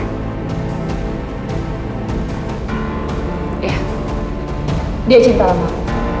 iya dia cinta sama aku